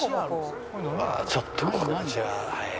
ああちょっとじゃあはい。